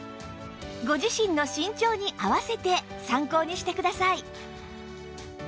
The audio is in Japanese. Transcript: ご自身の身長に合わせて参考にしてください